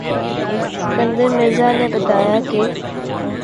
اسکندر مرزا نے بتایا کہ